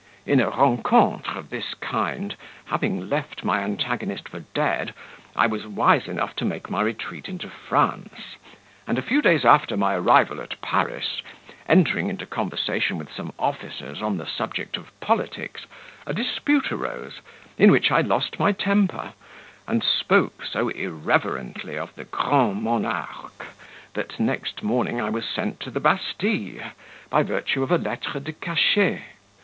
In a rencontre of this kind, having left my antagonist for dead, I was wise enough to make my retreat into France; and a few days after my arrival at Paris, entering into conversation with some officers on the subject of politics, a dispute arose, in which I lost my temper, and spoke so irreverently of the Grand Monarque, that next morning I was sent to the Bastille, by virtue of a lettre de cachet.